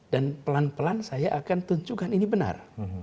pelan pelan saya akan tunjukkan ini benar